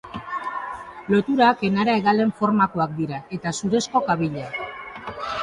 Loturak enara-hegalen formakoak dira, eta zurezko kabilak.